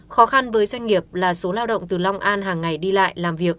khó khăn với doanh nghiệp là số lao động từ long an hàng ngày đi lại làm việc